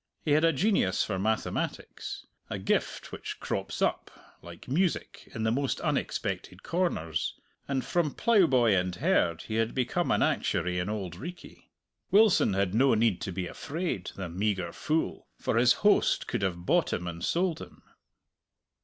He had a genius for mathematics a gift which crops up, like music, in the most unexpected corners and from plough boy and herd he had become an actuary in Auld Reekie. Wilson had no need to be afraid, the meagre fool, for his host could have bought him and sold him.